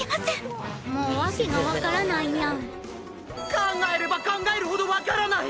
考えれば考えるほどわからない！